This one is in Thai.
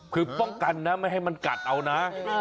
คือป้องกันนะไม่ให้มันกัดเอานะ